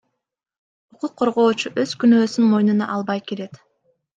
Укук коргоочу өз күнөөсүн мойнуна албай келет.